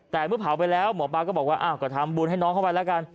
แต่เมื่อเผาไปแล้วหมอปลาก็บอกว่าอ้าวก็ทำบุญให้น้องเข้าไปแล้วกัน